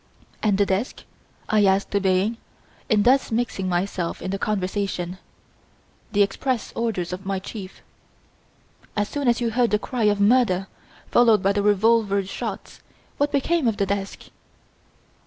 "And the desk?" I asked, obeying, in thus mixing myself in the conversation, the express orders of my chief, "as soon as you heard the cry of 'murder' followed by the revolver shots, what became of the desk?"